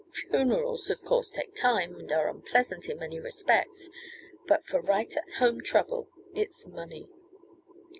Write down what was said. Funerals, of course, take time, and are unpleasant in many respects, but, for right at home trouble, it's money."